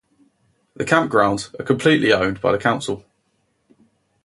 The camp grounds are completely owned by the Council.